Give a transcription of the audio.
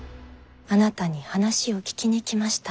あなたに話を聞きに来ました。